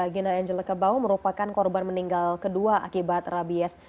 gina angela kabau merupakan korban meninggal kedua akibat rabies